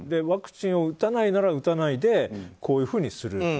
ワクチンを打たないなら打たないでこういうふうにする。